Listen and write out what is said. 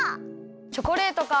チョコレートか。